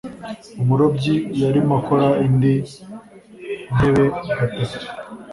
umurobyi yarimo akora indi ntebegatatu